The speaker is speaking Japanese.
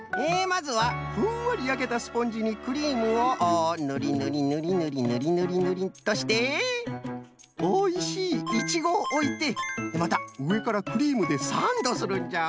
まずはふんわりやけたスポンジにクリームをぬりぬりぬりぬりっとしておいしいイチゴをおいてまたうえからクリームでサンドするんじゃ。